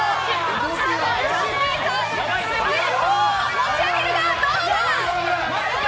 持ち上げるが、どうか？